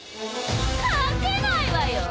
勝てないわよ。